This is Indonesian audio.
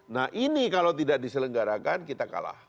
nah ini kalau tidak diselenggarakan kita kalah